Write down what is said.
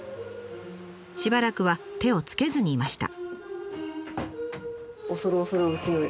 しばらくは手をつけずにいました。